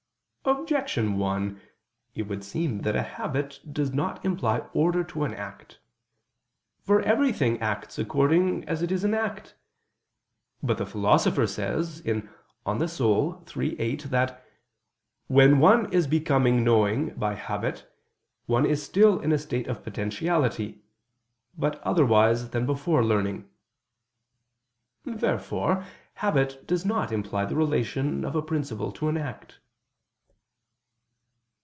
Objection 1: It would seem that habit does not imply order to an act. For everything acts according as it is in act. But the Philosopher says (De Anima iii, text 8), that "when one is become knowing by habit, one is still in a state of potentiality, but otherwise than before learning." Therefore habit does not imply the relation of a principle to an act.